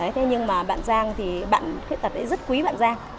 thế nhưng mà bạn giang thì bạn khuyết tật ấy rất quý bạn giang